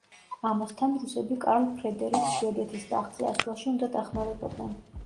ამასთან, რუსები კარლ ფრედერიკს შვედეთის ტახტზე ასვლაში უნდა დახმარებოდნენ.